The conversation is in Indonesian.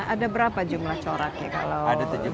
ada berapa jumlah coraknya kalau